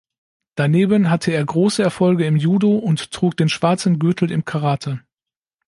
Daneben hatte er große Erfolge im Judo und trug den schwarzen Gürtel im Karate.